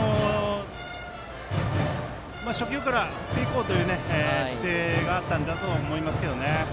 初球から振っていこうという姿勢があったんだと思います。